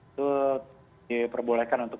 itu diperbolehkan untuk